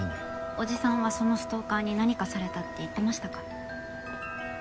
叔父さんはそのストーカーに何かされたって言ってましたか？